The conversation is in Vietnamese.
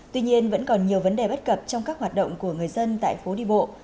tuy nhiên vẫn còn nhiều vấn đề bất cập trong các hoạt động của người dân tại phố đi bộ